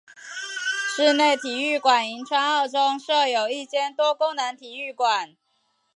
室内体育馆银川二中设有一间多功能体育馆。